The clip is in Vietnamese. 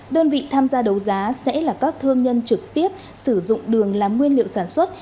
đơn vị tham gia đấu giá sẽ là các thương nhân trực tiếp sử dụng đường làm nguyên liệu sản xuất